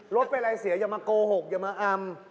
ไม่เป็นไรเสียอย่ามาโกหกอย่ามาอำ